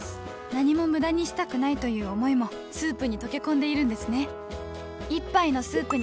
何も無駄にしたくないという想いもスープに溶け込んでいるんですね